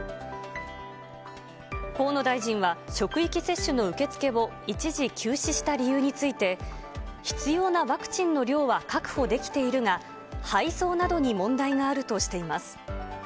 河野大臣は職域接種の受け付けを一時休止した理由について、必要なワクチンの量は確保できているが、配送などに問題があるとしています。